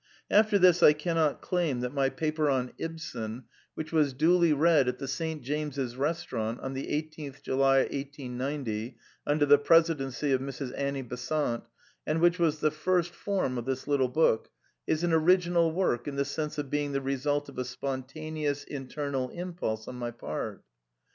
After this I cannot claim that my paper on Ibsen, Preface to First Edition xix which was duly read at the St. James's Restaurant on the 1 8th July 1890, under the presidency of Mrs. Annie Besant, and which was the first form of this little book, is an original work in the sense of being the result of a spontaneous internal impulse on my part.